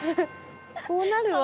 こうなるわ。